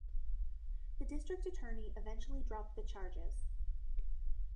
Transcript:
The district attorney eventually dropped the charges.